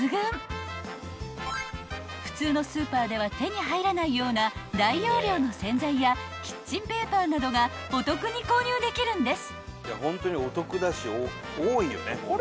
［普通のスーパーでは手に入らないような大容量の洗剤やキッチンペーパーなどがお得に購入できるんです］